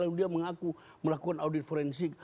lalu dia mengaku melakukan audit forensik